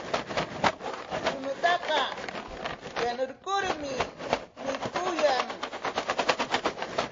Chuñutaqa yanurkurmi mikuyan.